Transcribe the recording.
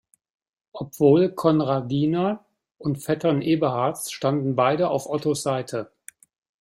Obwohl Konradiner und Vettern Eberhards, standen beide auf Ottos Seite.